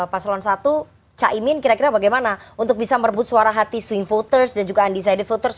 paselan satu caimin kira kira bagaimana untuk bisa merebut suara hati swing voters dan juga undesign voters